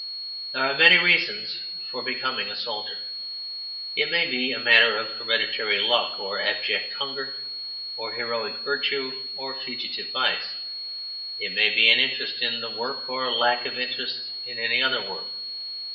There are many reasons for becoming a soldier. It may be a matter of hereditary luck or abject hunger or heroic virtue or fugitive vice; it may be an interest in the work or a lack of interest in any other work.